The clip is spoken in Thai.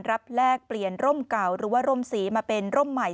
แลกเปลี่ยนร่มเก่าหรือว่าร่มสีมาเป็นร่มใหม่